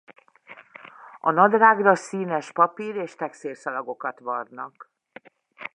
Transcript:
A nadrágra színes papír- és textil szalagokat varnak.